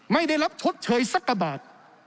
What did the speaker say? ไม่ได้รับชดเชยสักกว่าบาท